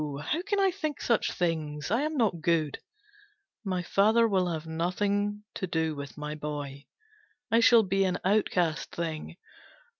How can I think such things, I am not good. My father will have nothing to do with my boy, I shall be an outcast thing.